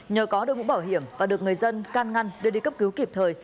nhờ có đồng mũ bảo hiểm và được người dân can ngăn đưa đi cấp cứu kịp thời